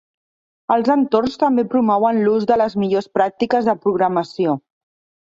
Els entorns també promouen l'ús de les millors pràctiques de programació.